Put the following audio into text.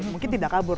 mungkin tidak kabur